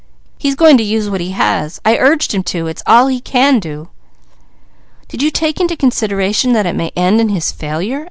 "He's going to use what he has. I urged him to; it's all he can do." "Did you take into consideration that it may end in his failure?"